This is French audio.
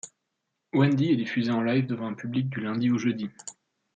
Wendy est diffusé en live devant un public du lundi au jeudi.